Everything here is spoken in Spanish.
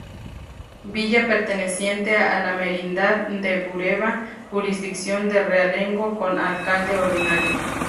Villa perteneciente a la Merindad de Bureba, jurisdicción de realengo con Alcalde Ordinario.